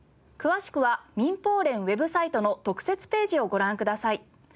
詳しくは民放連ウェブサイトの特設ページをご覧ください。